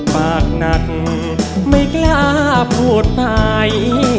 ปากหนักไม่กล้าพูดไป